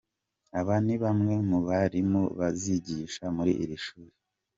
Aba ni bamwe mu barimu bazigisha muri iri shuri.